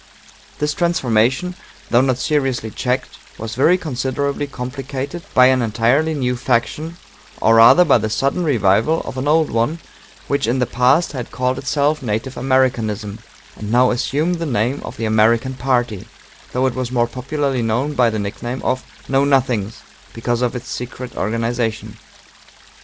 This transformation, though not seriously checked, was very considerably complicated by an entirely new faction, or rather by the sudden revival of an old one, which in the past had called itself Native Americanism, and now assumed the name of the American Party, though it was more popularly known by the nickname of "Know Nothings," because of its secret organization.